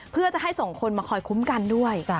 เพื่อจะให้ส่งคนมาคอยคุ้มกันด้วย